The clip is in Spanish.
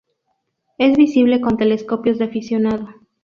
Es visible con telescopios de aficionado.